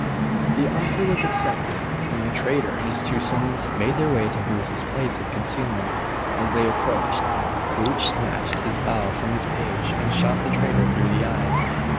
The offer was accepted, and the traitor and his two sons made their way to Bruce's place of concealment. As they approached, Bruce snatched his bow from his page and shot the traitor through the eye.